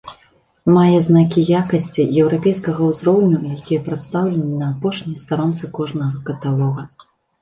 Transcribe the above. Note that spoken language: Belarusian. Мае знакі якасці еўрапейскага ўзроўню, якія прадстаўлены на апошняй старонцы кожнага каталога.